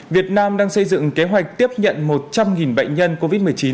việt nam đang xây dựng kế hoạch tiếp nhận một trăm linh bệnh nhân covid một mươi chín